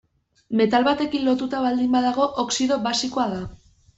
Metal batekin lotuta baldin badago, oxido basikoa da.